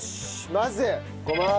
まずごま油。